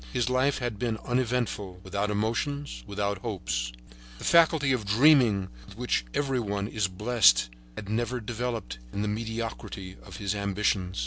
His life had been uneventful, without emotions, without hopes. The faculty of dreaming with which every one is blessed had never developed in the mediocrity of his ambitions.